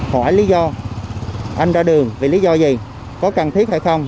hỏi lý do anh ra đường vì lý do gì có cần thiết hay không